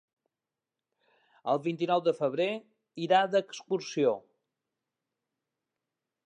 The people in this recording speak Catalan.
El vint-i-nou de febrer irà d'excursió.